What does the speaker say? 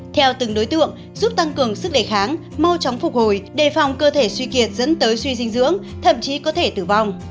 theo từng đối tượng giúp tăng cường sức đề kháng mau chóng phục hồi đề phòng cơ thể suy kiệt dẫn tới suy dinh dưỡng thậm chí có thể tử vong